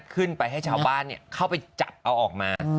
ขึ้นไปให้ชาวบ้านเข้าไปจับเอาออกมา